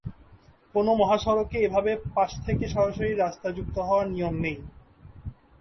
কোনো মহাসড়কে এভাবে পাশ থেকে সরাসরি রাস্তা যুক্ত হওয়ার নিয়ম নেই।